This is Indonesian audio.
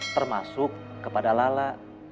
termasuk kepada lala